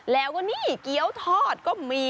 แล้วก็นี่เกี้ยวทอดก็มี